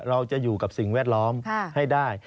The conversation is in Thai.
เราจะอยู่กับสิ่งแวดล้อมให้ได้